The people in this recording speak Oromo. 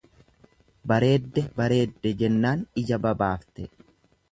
Bareedde bareedde jennaan ija babaafte.